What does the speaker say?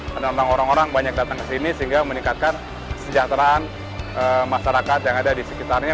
menantang orang orang banyak datang ke sini sehingga meningkatkan kesejahteraan masyarakat yang ada di sekitarnya